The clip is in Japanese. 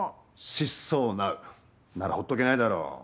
失踪なうなら放っとけないだろ。